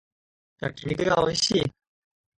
焼き肉がおいしい